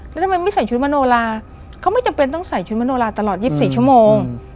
แล้วทำไมไม่ใส่ชุดมโนลาเขาไม่จำเป็นต้องใส่ชุดมโนลาตลอด๒๔ชั่วโมง